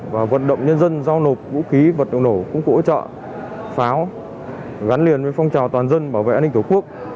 và vận động nhân dân giao nộp vũ khí vật liệu nổ công cụ hỗ trợ pháo gắn liền với phong trào toàn dân bảo vệ an ninh tổ quốc